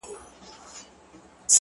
ما مجسمه د بې وفا په غېږ كي ايښې ده!!